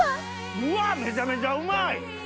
うわっめちゃめちゃうまい！